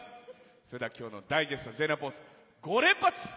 それでは今日のダイジェスト全裸ポーズ５連発！